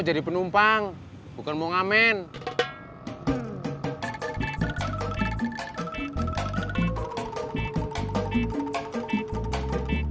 jadi mau beli nih